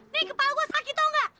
nih kepala gue sakit tau nggak